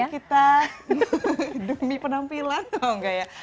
asal kita demi penampilan tau gak ya